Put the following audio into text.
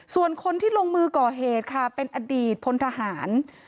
ส่วนคนที่ลงมือก่อเหตุค่ะเป็นอดีตพลทหาร